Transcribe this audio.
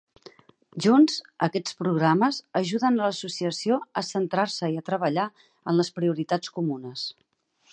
Junts, aquests programes ajuden a l'associació a centrar-se i a treballar en les prioritats comunes.